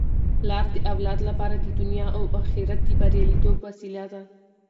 پلار د اولاد لپاره د دنیا او اخرت د بریالیتوب وسیله ده.